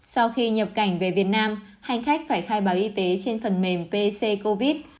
sau khi nhập cảnh về việt nam hành khách phải khai báo y tế trên phần mềm pc covid